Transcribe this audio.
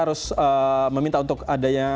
harus meminta untuk adanya